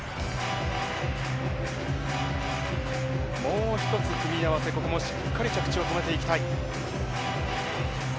もう１つ組み合わせ、ここもしっかりと着地を決めていきたい。